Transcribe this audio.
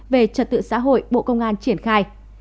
về trật tự xã hội bộ công an triển khai